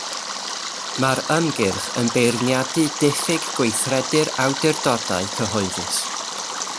Mae'r ymgyrch yn beirniadu diffyg gweithredu'r awdurdodau cyhoeddus.